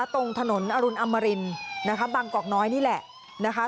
ตรงถนนอรุณอมรินบางกอกน้อยนี่แหละ